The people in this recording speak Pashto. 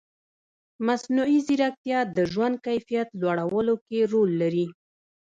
مصنوعي ځیرکتیا د ژوند کیفیت لوړولو کې رول لري.